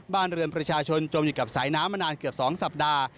บ้านเรือนประชาชนจมอยู่กับสายน้ำมานานเกือบ๒สัปดาห์